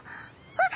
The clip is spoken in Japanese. あっ。